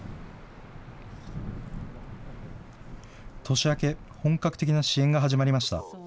年明け、本格的な支援が始まりました。